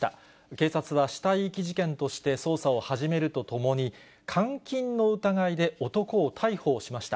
警察は死体遺棄事件として捜査を始めるとともに、監禁の疑いで男を逮捕しました。